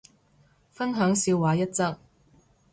分享笑話一則